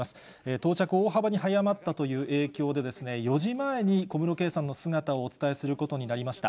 到着、大幅に早まったという影響で、４時前に小室圭さんの姿をお伝えすることになりました。